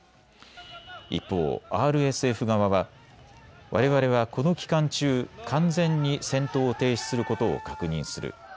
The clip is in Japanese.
一方、ＲＳＦ側はわれわれはこの期間中、完全に戦闘を停止することを確認する。